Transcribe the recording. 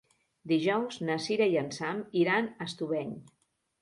Dijous na Cira i en Sam iran a Estubeny.